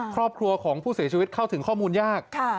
ครอบครัวของผู้เสียชีวิตเข้าถึงข้อมูลยาก